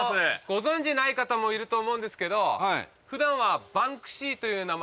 ご存じない方もいると思うんですけど。